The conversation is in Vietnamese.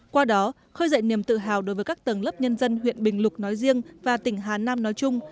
qua đó khơi dậy niềm tự hào đối với các tầng lớp nhân dân huyện bình lục nói riêng và tỉnh hà nam nói chung